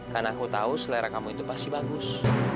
karena aku tahu selera kamu itu pasti bagus